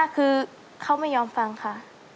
คือเขาไม่ยอมฟังค่ะ